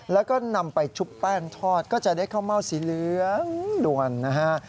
แล้วก็นำไปชุบแป้งทอดก็จะได้ข้าวเม่าสีเหลืองด่วนนะฮะ